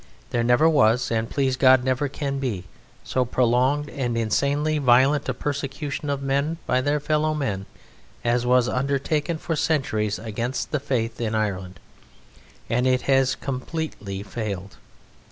There never was, and please God never can be, so prolonged and insanely violent a persecution of men by their fellow men as was undertaken for centuries against the Faith in Ireland: and it has completely failed.